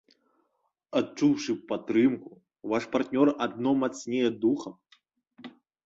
Адчуўшы падтрымку, ваш партнёр адно мацнее духам.